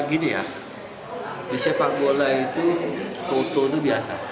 gini ya di sepak bola itu foto itu biasa